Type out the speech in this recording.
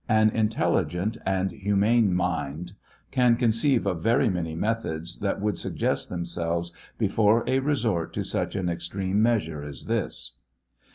An intelligent, and humane mind can conceive of very many methods that wculd suggest them selves before a resort to such an extreme measure as this.